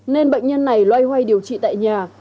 nên bệnh nhân này loay hoay điều trị tại nhà